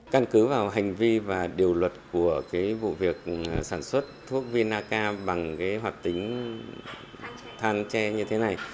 căn cứ vào hành vi và điều luật của vụ việc sản xuất thuốc vinaca bằng cái hoạt tính than tre như thế này